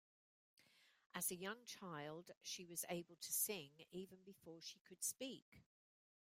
As a young child she was able to sing even before she could speak